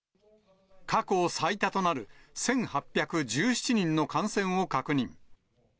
過去最多となる１８１７人の感染を確認。